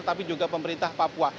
tetapi juga pemerintah papua